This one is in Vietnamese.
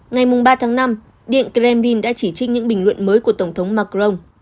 ngày ba tháng năm điện kremlin đã chỉ trích những bình luận mới của tổng thống macron